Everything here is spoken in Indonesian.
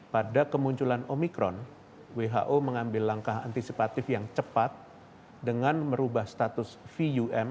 pada kemunculan omikron who mengambil langkah antisipatif yang cepat dengan merubah status vum